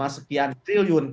delapan sekian triliun